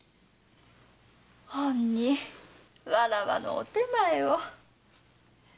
ほんにわらわの御点前を。